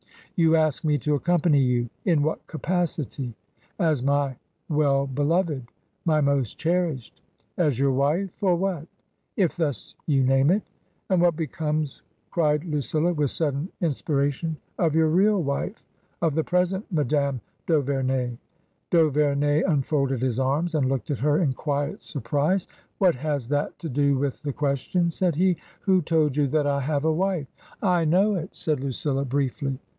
" You ask me to accompany you. In what capacity ?"" As my well beloved, my most cherished." 24 278 TRANSITION, " As your wife— or what ?"" If thus you name it." " And what becomes/* cried LuciUa, with sudden in spiration, " of your real wife ? Of the present Madame d'Auvemey ?" D*Auverney unfolded his arms and looked at her in quiet surprise. "What has that to do with the question?" said he. " Who told you that I have a wife ?"" I know it," said Lucilla, briefly.